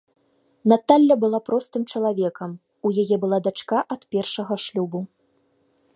Наталля была простым чалавекам, у яе была дачка ад першага шлюбу.